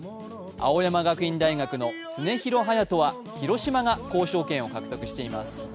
青山学院大学の常廣羽也斗は広島が交渉権を獲得しています。